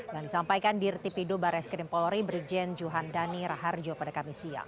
yang disampaikan di rti pidu baris krim polri brigjen juhan dhani raharjo pada kamis siang